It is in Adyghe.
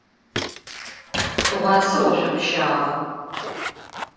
Tığuase voşsopşağe.